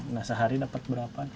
nah sehari dapat berapa